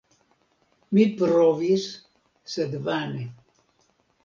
Mi provis, sed vane.